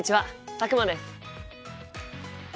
佐久間です。